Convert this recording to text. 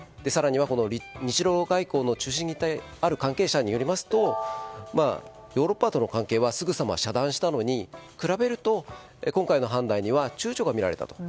更には、日ロ外交の中心にいたある関係者によりますとヨーロッパとの関係はすぐさま遮断したのに比べると、今回の判断には躊躇が見られた。